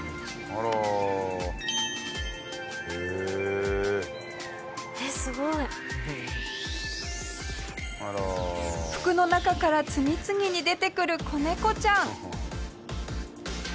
下平：服の中から次々に出てくる子猫ちゃん。